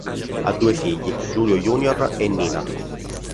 Ha due figli, Giulio junior e Nina.